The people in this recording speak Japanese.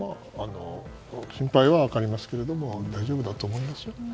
心配は分かりますけれども大丈夫だと思いますよ。